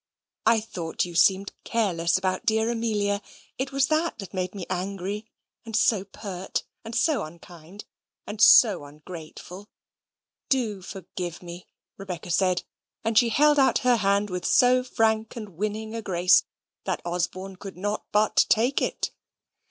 I thought you seemed careless about dear Amelia. It was that made me angry: and so pert: and so unkind: and so ungrateful. Do forgive me!" Rebecca said, and she held out her hand with so frank and winning a grace, that Osborne could not but take it.